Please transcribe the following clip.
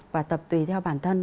và tập tùy theo bản thân